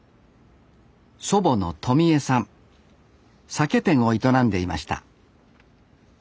酒店を営んでいました